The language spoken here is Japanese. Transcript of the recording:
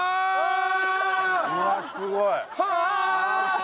うわすごい！